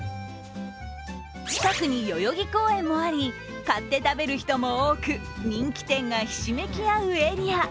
近くに代々木公園もあり買って食べる人も多く人気店がひしめき合うエリア。